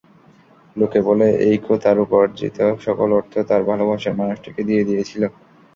লোকে বলে এইকো তার উপার্জিত সকল অর্থ তার ভালোবাসার মানুষটিকে দিয়ে দিয়েছিলো!